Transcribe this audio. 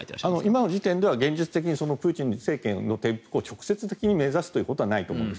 今の時点では現実的にプーチン政権の転覆を直接的に目指すということはないと思います。